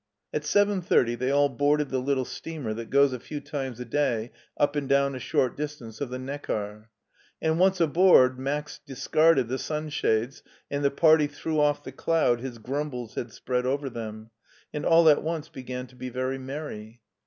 At seven thirty they all boarded the little steamer that goes a few times a day up and down a short distance of the Neckar; and once aboard Max dis carded the sunshades and the party threw off the cloud his grumbles had spread over them, and all at once began to be very merry.